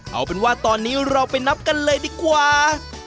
เอาเป็นว่าตอนนี้เราไปนับกันเลยดีกว่า